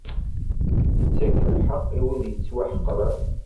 Ittak lḥeqq i wid yettwaḥeqren.